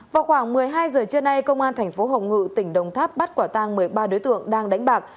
vào khoảng một mươi hai giờ trưa nay công an thành phố hồng ngự tỉnh đồng tháp bắt quả tang một mươi ba đối tượng đang đánh bạc